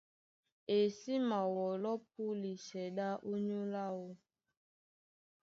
E sí mawɔlɔ́ púlisɛ ɗá ónyólá áō.